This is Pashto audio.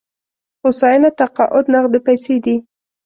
هوساینه تقاعد نغدې پيسې دي.